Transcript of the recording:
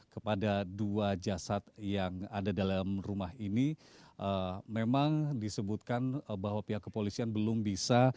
kepada dua jasad yang ada dalam rumah ini memang disebutkan bahwa pihak kepolisian belum bisa